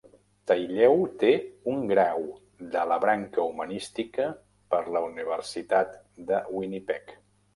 Taillieu té un grau de la branca humanística per la universitat de Winnipeg.